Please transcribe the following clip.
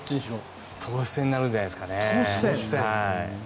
投手戦になるんじゃないですかね。